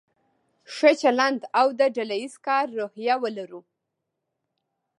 ښه چلند او د ډله ایز کار روحیه ولرو.